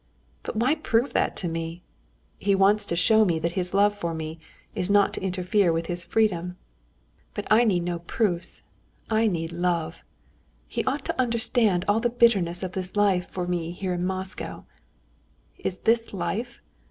But why prove that to me? He wants to show me that his love for me is not to interfere with his freedom. But I need no proofs, I need love. He ought to understand all the bitterness of this life for me here in Moscow. Is this life?